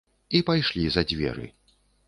І пайшлі за дзверы.